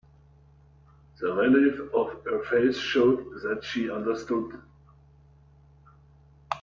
The relief on her face showed that she understood.